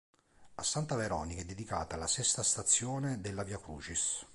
A Santa Veronica è dedicata la sesta stazione della "Via Crucis".